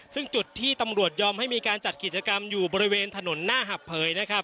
ซึ่งจุดที่ตำรวจยอมให้มีการจัดกิจกรรมอยู่บริเวณถนนหน้าหับเผยนะครับ